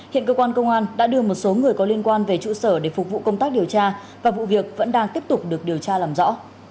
hiện cơ quan công an đã đưa một số người có liên quan về trụ sở để phục vụ công tác điều tra và vụ việc vẫn đang tiếp tục được điều tra làm rõ